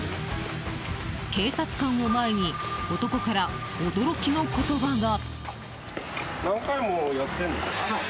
警察官を前に男から、驚きの言葉が。